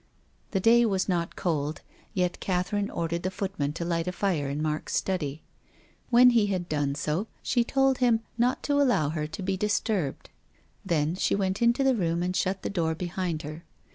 The day was not cold. Yet Catherine ordered the footman to light a fire in Mark's study. When he had done so she told liim not to allow her to be disturbed. Then she v/ent into the room and shut the door behind her.